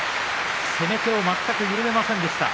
攻め手を全く緩めませんでした。